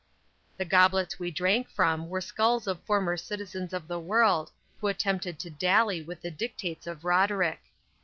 The goblets we drank from were skulls of former citizens of the world, who attempted to dally with the dictates of Roderick.